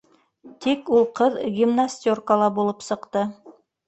Тик ул ҡыҙ гимнастеркала булып сыҡты.